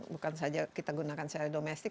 bukan saja kita gunakan secara domestik